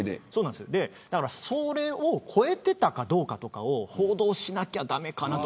それを超えていたかどうかとかを報道しなきゃ駄目かなと。